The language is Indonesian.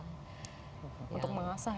untuk mengasah ya